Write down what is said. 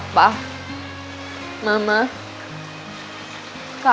tidak saya sudah keopy